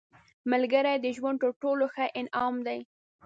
ملګری د ژوند تر ټولو ښه انعام دی